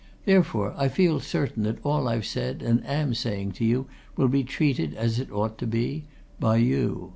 Therefore, I feel certain that all I've said and am saying to you will be treated as it ought to be by you.